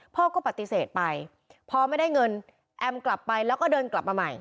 พ่อก็ปฏิเสธไปพอไม่ได้เงินแอมกลับไปแล้วก็เดินกลับมาใหม่